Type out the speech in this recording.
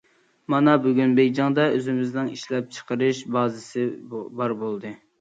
مانا بۈگۈن بېيجىڭدا ئۆزىمىزنىڭ ئىشلەپچىقىرىش بازىسى بار بولدى.